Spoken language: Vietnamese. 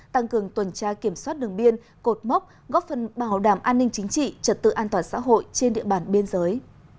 tăng cường tuần tra kiểm soát đường biên cột mốc góp phần bảo đảm an ninh chính trị trật tự an toàn xã hội trên địa bàn biên giới